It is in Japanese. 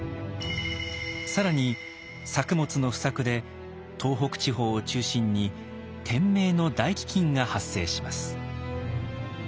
更に作物の不作で東北地方を中心に「天明の大飢饉」が発生します。